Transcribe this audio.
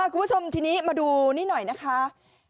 คุณผู้ชมทีนี้มาดูนี่หน่อยนะคะ